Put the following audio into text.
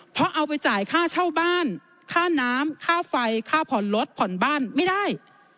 เพราะเอาไปจ่ายค่าเช่าบ้านค่าน้ำค่าไฟค่าผ่อนรถผ่อนบ้านไม่ได้